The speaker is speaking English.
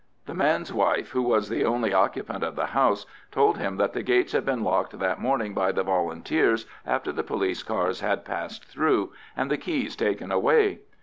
The man's wife, who was the only occupant of the house, told him that the gates had been locked that morning by the Volunteers, after the police cars had passed through, and the keys taken away.